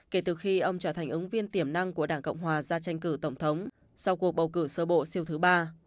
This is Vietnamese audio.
kể từ khi ông trở thành ứng viên tiềm năng của đảng cộng hòa ra tranh cử tổng thống sau cuộc bầu cử sơ bộ siêu thứ ba